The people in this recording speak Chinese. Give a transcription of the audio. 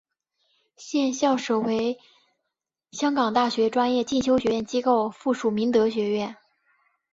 现校舍为香港大学专业进修学院机构附属明德学院。